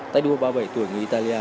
tay đua ba mươi bảy tuổi người italia